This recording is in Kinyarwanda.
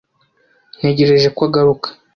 Ntegereje ko agaruka.